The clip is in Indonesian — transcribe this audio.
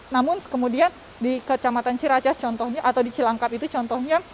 namun kemudian di kecamatan ciracas contohnya atau di cilangkap itu contohnya